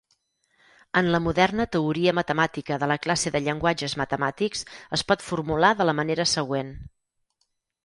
En la moderna teoria matemàtica de la classe de llenguatges matemàtics es pot formular de la manera següent.